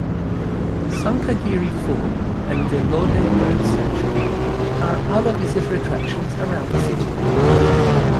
Sankagiri Fort and Vellode Birds Sanctuary are other visitor attractions around the city.